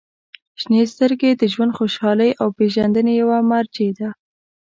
• شنې سترګې د ژوند خوشحالۍ او پېژندنې یوه مرجع ده.